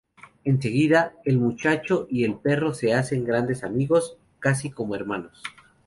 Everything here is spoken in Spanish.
En seguida, el muchacho y el perro se hacen grandes amigos, casi como hermanos.